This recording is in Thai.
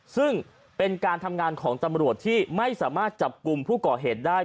ซึ่งเป็นการทำงานของตำรวจที่ไม่สามารถจับกลุ่มผู้ก่อเหตุได้